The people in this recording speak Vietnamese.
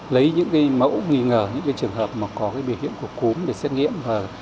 lấy những mẫu nghi ngờ những trường hợp có biểu hiện của cúm để xét nghiệm